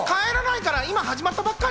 今、始まったばっかり！